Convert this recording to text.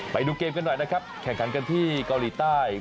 ไปดูเกมกันหน่อยนะครับแข่งขันกันที่เกาหลีใต้